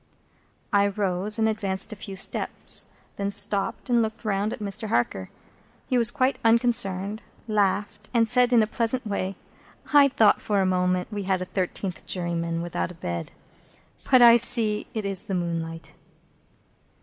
I rose, and advanced a few steps; then stopped, and looked round at Mr. Harker. He was quite unconcerned, laughed, and said in a pleasant way, "I thought for a moment we had a thirteenth juryman, without a bed. But I see it is the moonlight."